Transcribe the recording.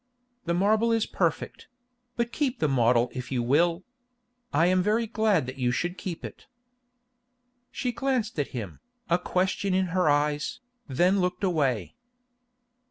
"The marble is perfect; but keep the model if you will. I am very glad that you should keep it." She glanced at him, a question in her eyes, then looked away.